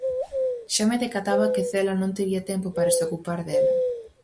Xa me decataba que Cela non tería tempo para se ocupar dela.